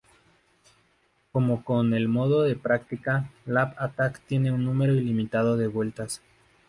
Como con el modo de práctica, Lap Attack tiene un número ilimitado de vueltas.